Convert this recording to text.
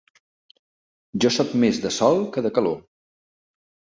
Jo soc més de sol que de calor.